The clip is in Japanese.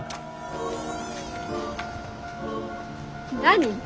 何？